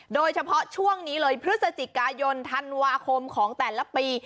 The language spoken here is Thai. โดยเฉพาะช่วงนี้เลยพฤศจิกายนธันวาคมของแต่ละปี